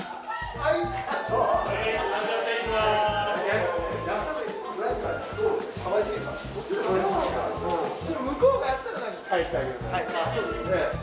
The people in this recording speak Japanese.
・はいあっそうですね。